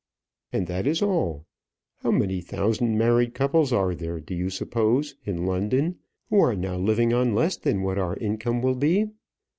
"And that is all. How many thousand married couples are there, do you suppose, in London, who are now living on less than what our income will be?"